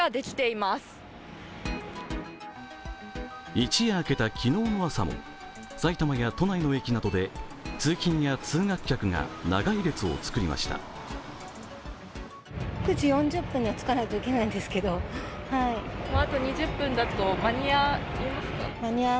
一夜明けた昨日の朝も埼玉や都内の駅などで通勤や通学客が長い列を作りました。